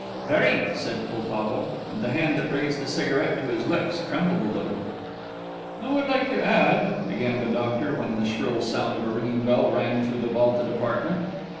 "Very," said Poltavo, and the hand that raised the cigarette to his lips trembled a little. "I would like to add," began the doctor, when the shrill sound of a ringing bell rang through the vaulted apartment.